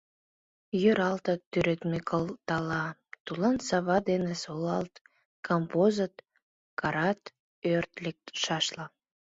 Йӧралтыт тӱредме кылтала, Тулан сава дене солалт, Камвозыт, карат ӧрт лекшашла…